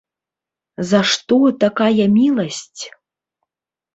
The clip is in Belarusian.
За што такая міласць?